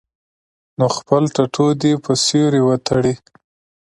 نو خپل ټټو دې پۀ سيوري وتړي -